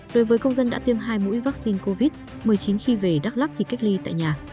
đối với công dân đã tiêm hai mũi vaccine covid một mươi chín khi về đắk lắc thì cách ly tại nhà